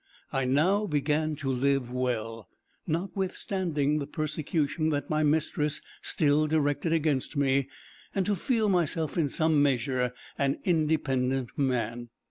I now began to live well, notwithstanding the persecution that my mistress still directed against me, and to feel myself, in some measure, an independent man.